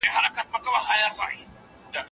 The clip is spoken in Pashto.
هغوی سیاستپوهني ته د ښار د چارو پوهه ویله.